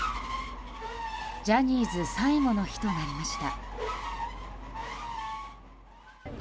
ジャニーズ最後の日となりました。